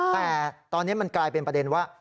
แต่ตอนนี้มันกลายเป็นประเด็นว่า